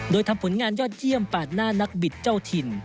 โดยทำผลงานยอดเยี่ยมปาดหน้านักบิดเจ้าถิ่น